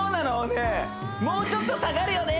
ねえもうちょっと下がるよね？